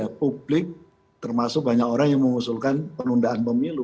ya publik termasuk banyak orang yang mengusulkan penundaan pemilu